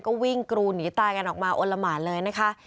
ก็วิ่งกรูหนีตายกันออกมาอลละหมานเลยนะคะ